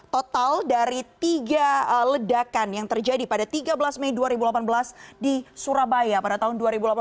total dari tiga ledakan yang terjadi pada tiga belas mei dua ribu delapan belas di surabaya pada tahun dua ribu delapan belas